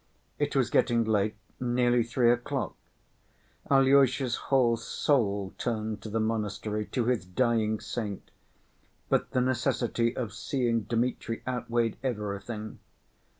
It was getting late, nearly three o'clock. Alyosha's whole soul turned to the monastery, to his dying saint, but the necessity of seeing Dmitri outweighed everything.